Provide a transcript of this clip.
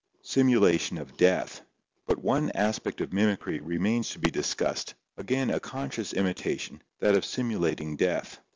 Simulation of Death. — But one aspect of mimicry remains to be discussed, again a conscious imitation, that of simulating death.